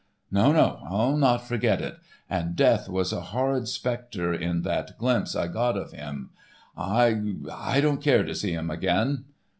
No, no, I'll not forget it. And death was a horrid specter in that glimpse I got of him. I—I don't care to see him again.